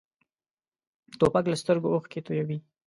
توپک له سترګو اوښکې تویوي.